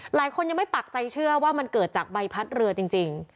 หลายคนยังไม่ปักใจเชื่อว่ามันเกิดจากใบพัดเรือจริง